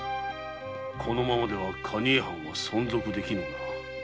このままでは蟹江藩は存続できぬな。